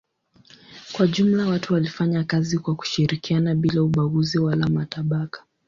Kwa jumla watu walifanya kazi kwa kushirikiana bila ubaguzi wala matabaka.